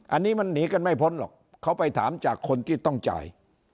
อันนี้มันหนีกันไม่พ้นหรอกเขาไปถามจากคนที่ต้องจ่าย